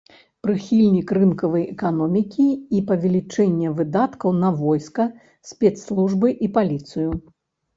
Прыхільнік рынкавай эканомікі і павелічэння выдаткаў на войска, спецслужбы і паліцыю.